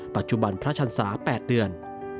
ปัจจุบันพระชันศา๘เดือน